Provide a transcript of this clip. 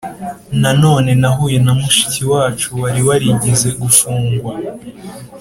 Nanone nahuye na mushiki wacu wari warigeze gufungwa